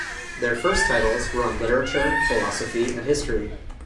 Their first titles were on literature, philosophy and history.